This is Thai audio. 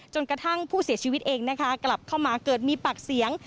จนกระทั่งผู้เสียชีวิตเองนะคะกลับเข้ามาเกิดมีปากเสียง